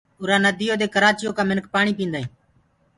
اُرآ نديو دي ڪرآچيو ڪآ منک پآڻي پينٚدآ هينٚ